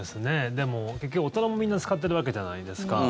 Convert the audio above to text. でも結局、大人もみんな使ってるわけじゃないですか。